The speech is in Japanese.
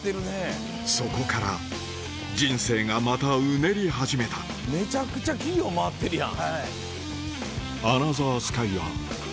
そこから人生がまたうねり始めためちゃくちゃ企業回ってるやん。